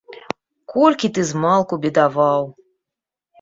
Колькі ты змалку бедаваў!